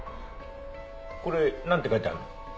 これなんて書いてあるの？